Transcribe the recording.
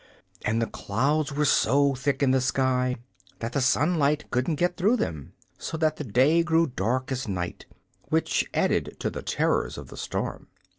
And the clouds were so thick in the sky that the sunlight couldn't get through them; so that the day grew dark as night, which added to the terrors of the storm.